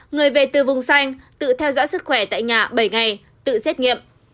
người về từ vùng xanh tự theo dõi sức khỏe tại nhà bảy ngày tự xét nghiệm